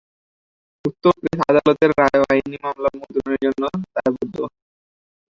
উক্ত প্রেস আদালতের রায় এবং আইনী মামলা মুদ্রণের জন্য দায়বদ্ধ।